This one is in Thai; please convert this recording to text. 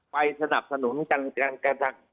ไปสนับสนุนกัน